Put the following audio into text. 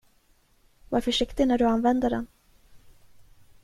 Var försiktig när du använder den.